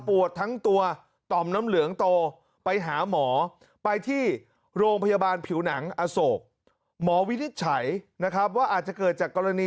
ปวดทั้งตัวต่อมน้ำเหลืองโตไปหาหมอ